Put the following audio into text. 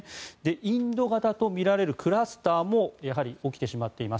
インド型とみられるクラスターも起きてしまっています。